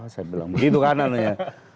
saya bilang begitu kanan loh ya